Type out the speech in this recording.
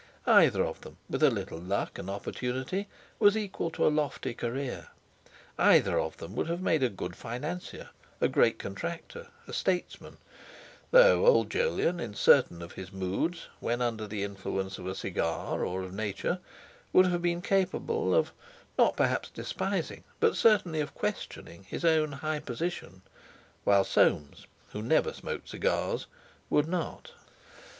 Either of them, with a little luck and opportunity, was equal to a lofty career; either of them would have made a good financier, a great contractor, a statesman, though old Jolyon, in certain of his moods when under the influence of a cigar or of Nature—would have been capable of, not perhaps despising, but certainly of questioning, his own high position, while Soames, who never smoked cigars, would not.